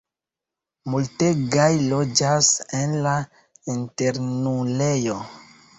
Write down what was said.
Multegaj loĝas en la internulejo.